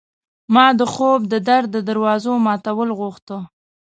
ما د خوب د در د دوازو ماتول غوښته